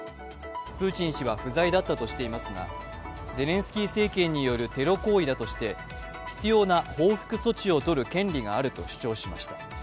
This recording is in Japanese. プーチン氏は不在だったとしていますがゼレンスキー政権によるテロ行為だとして必要な報復措置をとる権利があると主張しました。